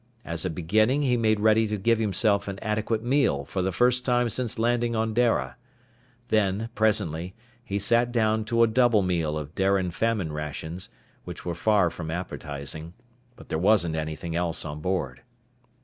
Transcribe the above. As a beginning he made ready to give himself an adequate meal for the first time since first landing on Dara. Then, presently, he sat down to a double meal of Darian famine rations, which were far from appetizing. But there wasn't anything else on board.